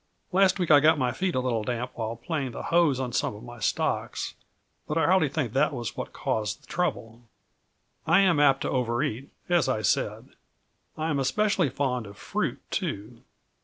"Last week I got my feet a little damp while playing the hose on some of my stocks, but I hardly think that was what caused the trouble. I am apt to overeat, as I said. I am especially fond of fruit, too.